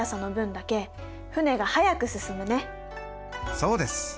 そうです。